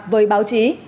với báo chí